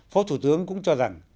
phó thủ tướng cũng cho rằng